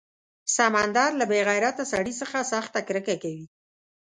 سمندر له بې غیرته سړي څخه سخته کرکه کوي.